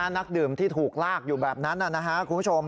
นักดื่มที่ถูกลากอยู่แบบนั้นนะครับ